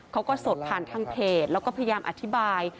เขาก็สดผ่านทางเพจแล้วก็พยายามอธิบาย